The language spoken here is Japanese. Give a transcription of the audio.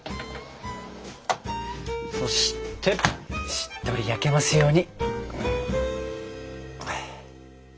そしてしっとり焼けますように。